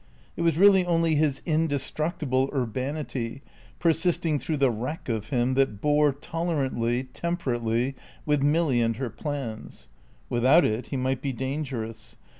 It was really only his indestructible urbanity, persisting through the wreck of him, that bore, tolerantly, temperately, with Milly and her plans. Without it he might be dangerous.